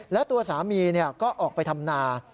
และตัวสามีก็ออกไปทำนา